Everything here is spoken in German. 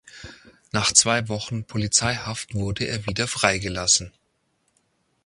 Nach zwei Wochen Polizeihaft wurde er wieder freigelassen.